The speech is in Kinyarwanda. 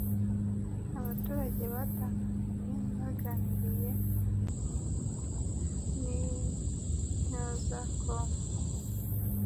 abaturage batandukanye baganiriye n’intyozacom